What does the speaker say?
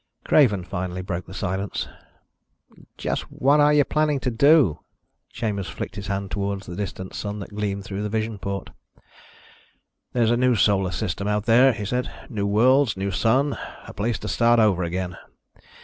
Craven finally broke the silence. "Just what are you planning to do?" Chambers flicked his hand toward the distant sun that gleamed through the vision port. "There's a new solar system out there," he said. "New worlds, a new sun. A place to start over again.